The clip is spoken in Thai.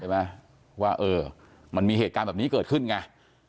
ว่าเออมันมีเหตุการณ์แบบนี้เกิดขึ้นไง